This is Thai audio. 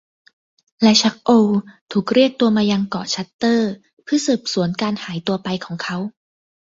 และชัค โอล ถูกเรียกตัวมายังเกาะชัตเตอร์เพื่อสืบสวนการหายตัวไปของเขา